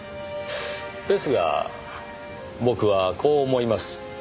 ですが僕はこう思います。